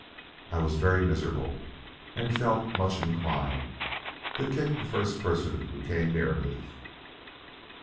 I was very miserable, and felt much inclined to kick the first person who came near me.